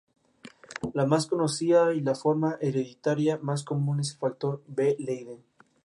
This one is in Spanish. La más conocida y la forma hereditaria más común es el factor V Leiden.